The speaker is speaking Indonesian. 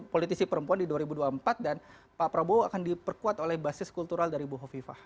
politisi perempuan di dua ribu dua puluh empat dan pak prabowo akan diperkuat oleh basis kultural dari bu hovifah